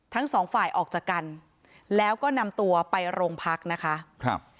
ทั้งสองฝ่ายออกจากกันแล้วก็นำตัวไปโรงพักนะคะครับ